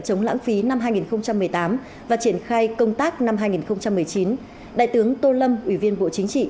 chống lãng phí năm hai nghìn một mươi tám và triển khai công tác năm hai nghìn một mươi chín đại tướng tô lâm ủy viên bộ chính trị